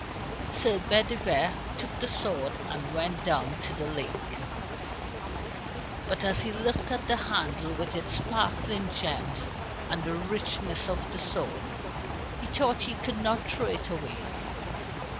Sir Bedivere took the sword and went down to the lake. But as he looked at the handle with its sparkling gems and the richness of the sword, he thought he could not throw it away.